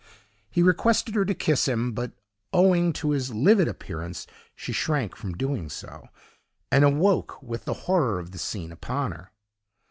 He requested her to kiss him, but, owing to his livid appearance, she shrank from doing so, and awoke with the horror of the scene upon her.